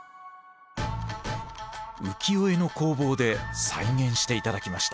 浮世絵の工房で再現して頂きました。